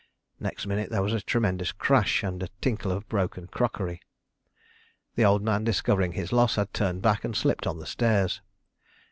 Next minute there was a tremendous crash and a tinkle of broken crockery. The Old Man, discovering his loss, had turned back and slipped on the stairs.